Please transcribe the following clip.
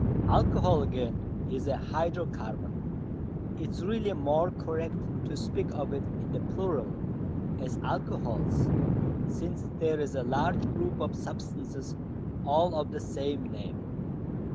Alcohol, again, is a hydrocarbon. It is really more correct to speak of it in the plural, as "alcohols," since there is a large group of substances all of the same name.